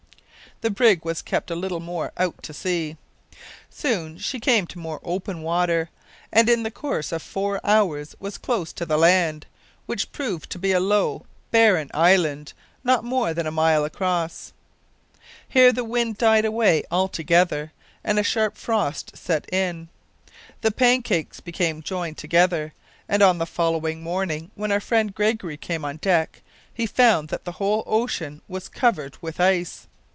The brig was kept a little more out to sea. Soon she came to more open water, and in the course of four hours was close to the land, which proved to be a low, barren island, not more than a mile across. Here the wind died away altogether, and a sharp frost set in. The pancakes became joined together, and on the following morning, when our friend Gregory came on deck, he found that the whole ocean was covered with ice!